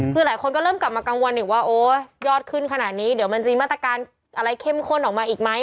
คือหลายคนก็เริ่มกลับมากังวลอีกว่าโอ๊ยยอดขึ้นขนาดนี้เดี๋ยวมันจะมีมาตรการอะไรเข้มข้นออกมาอีกไหม